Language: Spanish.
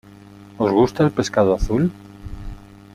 ¿Os gusta el pescado azul?